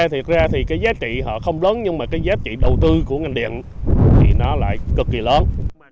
thực ra thì cái giá trị họ không lớn nhưng mà cái giá trị đầu tư của ngành điện thì nó lại cực kỳ lớn